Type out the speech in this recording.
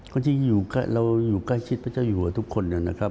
ก็จริงเราอยู่ใกล้ชิดพระเจ้าอยู่หัวทุกคนนะครับ